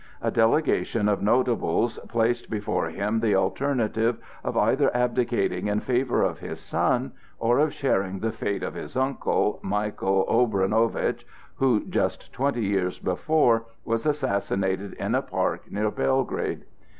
A delegation of notables placed before him the alternative of either abdicating in favor of his son, or of sharing the fate of his uncle, Michael Obrenovitch, who just twenty years before was assassinated in a park near Belgrade.